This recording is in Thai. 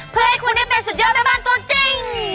เพื่อให้คุณได้เป็นสุดยอดแม่บ้านตัวจริง